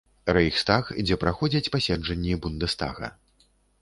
Рэйхстаг, дзе праходзяць паседжанні бундэстага.